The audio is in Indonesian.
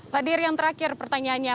pak dir yang terakhir pertanyaannya